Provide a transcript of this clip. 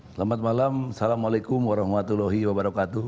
selamat malam assalamualaikum warahmatullahi wabarakatuh